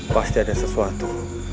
pasti ada sesuatu